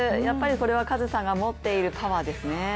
やっぱりこれはカズさんが持っているパワーですね。